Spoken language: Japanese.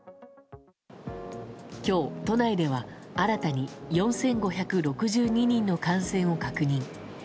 今日都内では、新たに４５６２人の感染を確認。